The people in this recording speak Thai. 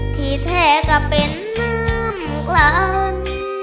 ที่แท้ก็เป็นน้ำกลั่น